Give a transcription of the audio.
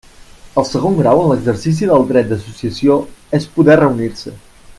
El segon grau en l'exercici del dret d'associació és poder reunir-se.